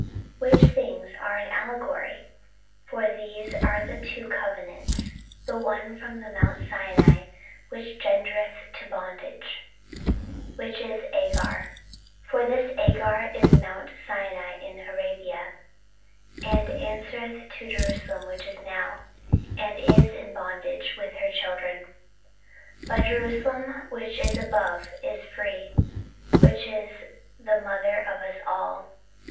48:004:024 Which things are an allegory: for these are the two covenants; the one from the mount Sinai, which gendereth to bondage, which is Agar. 48:004:025 For this Agar is mount Sinai in Arabia, and answereth to Jerusalem which now is, and is in bondage with her children. 48:004:026 But Jerusalem which is above is free, which is the mother of us all.